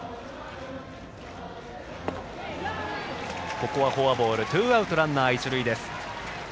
ここはフォアボールツーアウトランナー、一塁です。